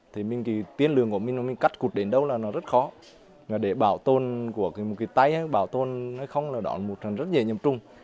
thì tiên lường của mình mình cắt cụt đến đâu là nó rất khó để bảo tồn của cái tay bảo tồn hay không là đó là một trận rất dễ nhầm trung